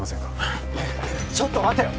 ちょっと待てよ！